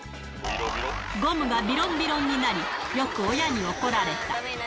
ゴムがびろんびろんになり、よく親に怒られた。